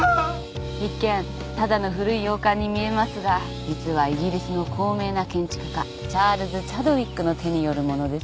一見ただの古い洋館に見えますが実はイギリスの高名な建築家チャールズ・チャドウィックの手によるものです。